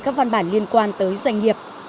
các văn bản liên quan tới doanh nghiệp